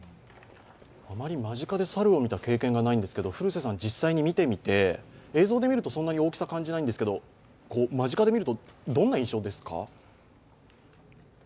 あまり間近で猿を見た経験がないんですけど実際に見てみて、映像でみるとそんなに大きさは感じないんですが間近で見るとどんな印象ですか？